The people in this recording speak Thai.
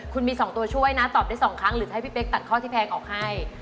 คุณมี๒ตัวช่วยนะตอบได้๒ครั้งหรือจะให้พี่เป๊กตัดข้อที่แพงออกให้